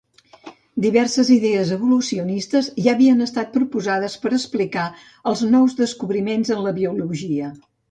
Diverses idees evolucionistes ja havien estat proposades per explicar els nous descobriments en la biologia.